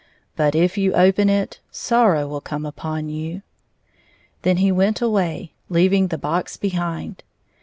But if you open it, sorrow will come upon you." Then he went away, leaving the box behind him.